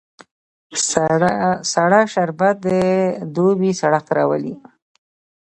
سړه شربت د دوبی سړښت راولي